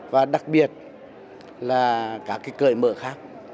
và đặc biệt là các cái cởi mở khác